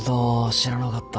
知らなかった。